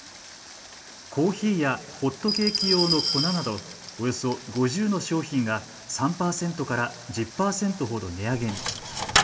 コーヒーやホットケーキ用の粉などおよそ５０の商品が３％から１０％ほど値上げに。